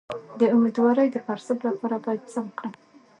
د امیدوارۍ د پړسوب لپاره باید څه وکړم؟